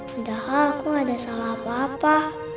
padahal aku gak ada salah apa apa